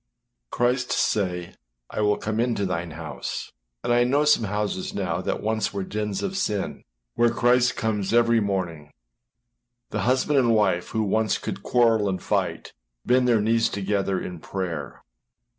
Christ say, âI will come into thine house.â And I know some houses now that once were dens of sin, where Christ comes every morning; the husband and wife who once could quarrel and fight, bend their knees together in prayer.